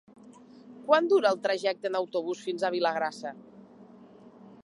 Quant dura el trajecte en autobús fins a Vilagrassa?